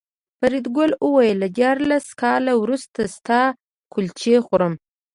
فریدګل وویل چې دیارلس کاله وروسته ستا کلچې خورم